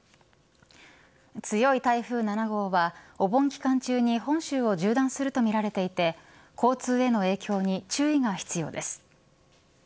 強い台風７号はお盆期間中に本州を縦断するとみられていて交通への影響に注意が必要です。